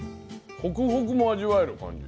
ホクホクも味わえる感じ。